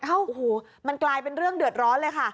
โอ้โหมันกลายเป็นเรื่องเดือดร้อนเลยค่ะ